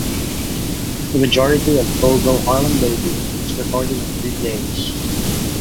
The majority of "Go Go Harlem Baby" was recorded in three days.